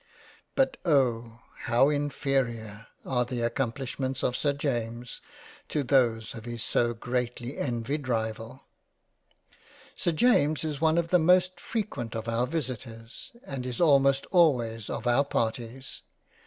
But oh ! how inferior are the accom plishments of Sir James to those of his so greatly envied Rival ! 77 £ JANE AUSTEN ^ Sir James is one of the most frequent of our Visitors, and is almost always of our Parties.